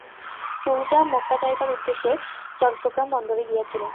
সুজা Mecca যাইবার উদ্দেশে চট্টগ্রাম বন্দরে গিয়াছিলেন।